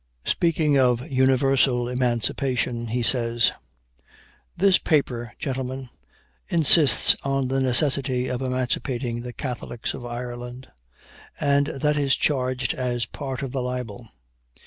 Speaking of universal emancipation, he says: "This paper, gentlemen, insists on the necessity of emancipating the Catholics of Ireland; and that is charged as part of the libel.